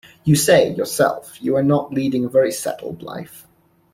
You say, yourself, you are not leading a very settled life.